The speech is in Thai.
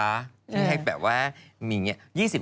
ที่ให้แบบว่ามีอย่างนี้